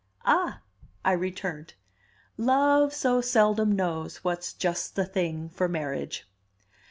"Ah," I returned, "Love so seldom knows what's just the thing for marriage."